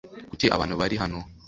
Kuki abantu bari hano?